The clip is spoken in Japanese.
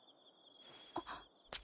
あっ。